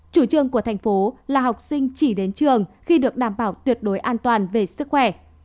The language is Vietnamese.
chủ trương của thành phố là học sinh chỉ đến trường khi được đảm bảo tuyệt đối an toàn về sức khỏe